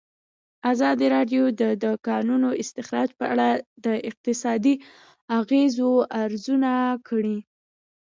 ازادي راډیو د د کانونو استخراج په اړه د اقتصادي اغېزو ارزونه کړې.